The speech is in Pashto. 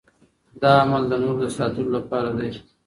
دا عمل د نورو د ساتلو لپاره دی.